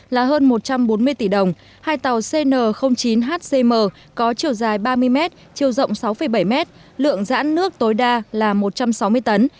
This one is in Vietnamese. là hơn một trăm bốn mươi tỷ đồng hai tàu cn chín hcm có chiều dài ba mươi m chiều rộng sáu bảy m lượng dãn nước tối đa là một trăm sáu mươi tấn